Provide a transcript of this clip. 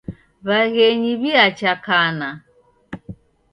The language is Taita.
Waghenyi wiacha kana.